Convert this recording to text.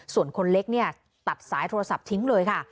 ส่วนคนเล็กเนี่ยตัดสายโทรศัพท์ทิ้งเลยค่ะ